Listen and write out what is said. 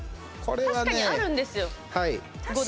確かにあるんですよ。